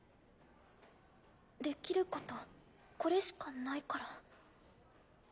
できることこれしかないから。